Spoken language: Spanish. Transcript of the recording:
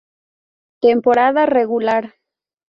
Temporada regular